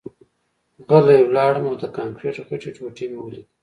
غلی لاړم او د کانکریټ غټې ټوټې مې ولیدې